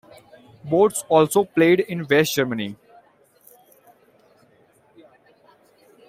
Bots also played in West Germany.